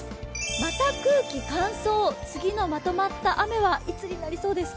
また空気乾燥、次のまとまった雨はいつになりそうですか？